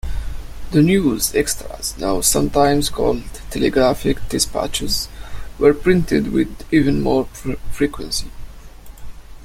The "News" extras, now sometimes called telegraphic dispatches, were printed with even more frequency.